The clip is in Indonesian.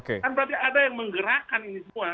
kan berarti ada yang menggerakkan ini semua